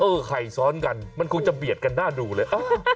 ไข่ซ้อนกันมันคงจะเบียดกันหน้าดูเลย